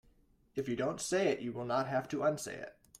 If you don't say it you will not have to unsay it.